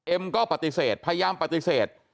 เอ็มก็ปฏิเสธพยายามปฏิเสธ